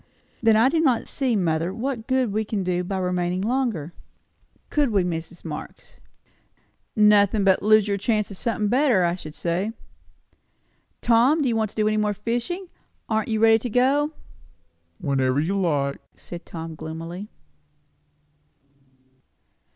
"Then I do not see, mother, what good we can do by remaining longer. Could we, Mrs. Marx?" "Nothin', but lose your chance o' somethin' better, I should say." "Tom, do you want to do any more fishing? Aren't you ready to go?" "Whenever you like," said Tom gloomily.